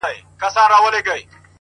زه ورته ټوله شپه قرآن لولم قرآن ورښيم!!